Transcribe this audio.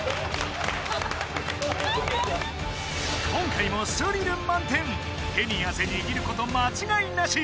今回もスリル満点手に汗握ること間違いなし